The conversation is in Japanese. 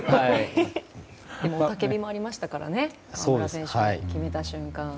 雄たけびもありましたからね河村選手も決めた瞬間。